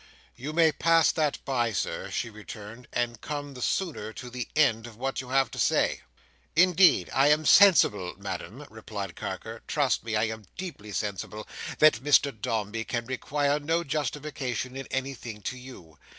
"You may pass that by, Sir," she returned, "and come the sooner to the end of what you have to say." "Indeed, I am sensible, Madam," replied Carker,—"trust me, I am deeply sensible, that Mr Dombey can require no justification in anything to you.